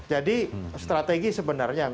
jadi strategi sebenarnya